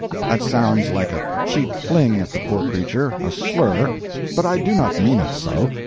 That sounds like a cheap fling at the poor creature, a slur; but I do not mean it so.